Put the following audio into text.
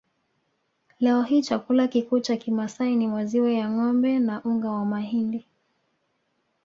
Leo hii chakula kikuu cha Kimasai ni maziwa ya ngombe na unga wa mahindi